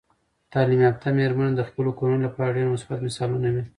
تعلیم یافته میرمنې د خپلو کورنیو لپاره ډیر مثبت مثالونه وي.